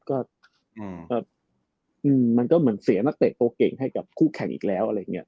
ก็มันก็เหมือนเสียนักเตะตัวเก่งให้กับคู่แข่งอีกแล้วอะไรอย่างนี้